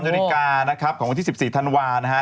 ที่อุปกรณ์อเมริกานะครับของ๑๔ธนวานะคะ